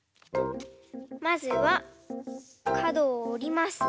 まずはかどをおります。